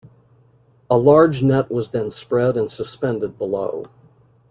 A large net was then spread and suspended below.